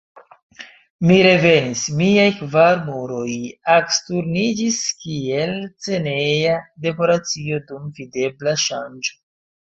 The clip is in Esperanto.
Mi revenis: miaj kvar muroj aksturniĝis, kiel sceneja dekoracio dum videbla ŝanĝo.